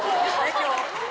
今日。